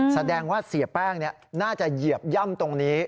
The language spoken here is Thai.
แสดงว่าเสียแป้งน่าจะเหยียบย่ำตรงนี้